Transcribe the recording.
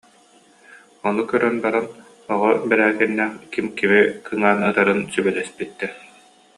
Ону көрөн баран, Оҕо Бэрээкиннээх ким кими кыҥаан ытарын сүбэлэспиттэр